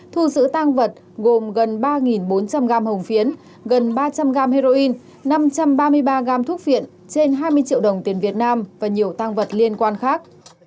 thu giữ tăng vật gồm gần ba bốn trăm linh gram hồng phiến gần ba trăm linh g heroin năm trăm ba mươi ba gam thuốc viện trên hai mươi triệu đồng tiền việt nam và nhiều tăng vật liên quan khác